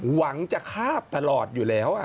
หวังจะคาบตลอดอยู่แล้ว